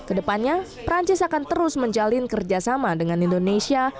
kedepannya perancis akan terus menjalin kerjasama dengan indonesia